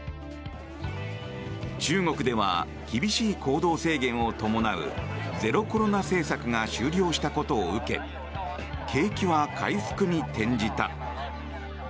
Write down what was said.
中国では厳しい行動制限を伴うゼロコロナ政策が終了したことを受け景気は回復に転じた。